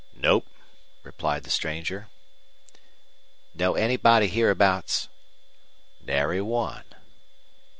"Nope," replied the stranger. "Know anybody hereabouts?" "Nary one."